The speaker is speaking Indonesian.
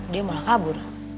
dia malah kabur